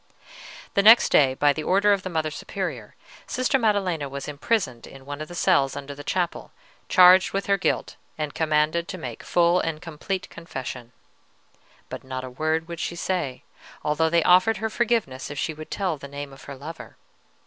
"The next day, by the order of the Mother Superior, Sister Maddelena was imprisoned in one of the cells under the chapel, charged with her guilt, and commanded to make full and complete confession. But not a word would she say, although they offered her forgiveness if she would tell the name of her lover.